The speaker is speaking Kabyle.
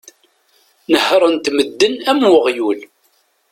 Nehhren-t medden am uɣyul.